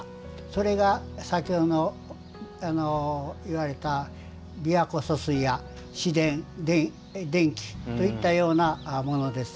それが、先ほどの言われた琵琶湖疏水や市電、電気といったようなものです。